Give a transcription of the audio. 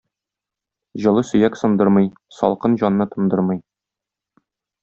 Җылы сөяк сындырмый, салкын җанны тындырмый.